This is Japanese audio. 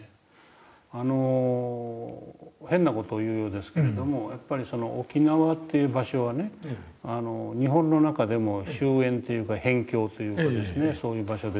あの変な事を言うようですけれどもやっぱり沖縄っていう場所はね日本の中でも周縁というか辺境というかですねそういう場所ですよね。